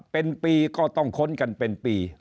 เป็นปีก็ต้องค้นกันเป็นปี